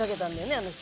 あの人。